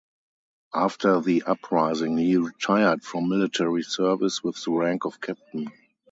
After the uprising he retired from military service with the rank of Captain.